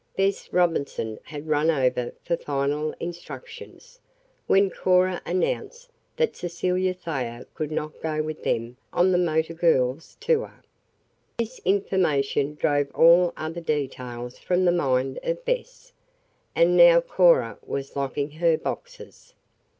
Bess Robinson had run over for final instructions, when Cora announced that Cecilia Thayer could not go with them on the motor girls' tour. This information drove all other details from the mind of Bess. And now Cora was locking her boxes.